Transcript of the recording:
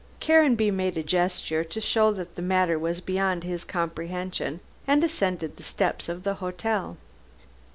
Caranby made a gesture to show that the matter was beyond his comprehension, and ascended the steps of the hotel.